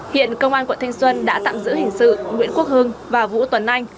hiện công an quận thanh xuân đã tạm giữ hình sự nguyễn quốc hưng và vũ tuấn anh